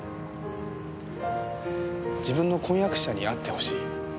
自分の婚約者に会ってほしいそう